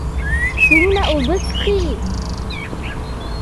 څومره اوبه څښئ؟